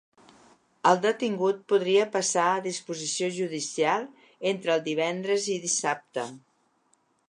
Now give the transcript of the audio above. El detingut podria passar a disposició judicial entre el divendres i dissabte.